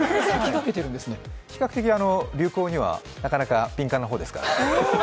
比較的流行にはなかなか敏感な方ですから。